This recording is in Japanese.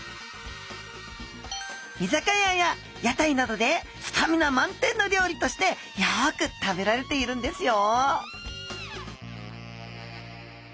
居酒屋や屋台などでスタミナ満点の料理としてよく食べられているんですよ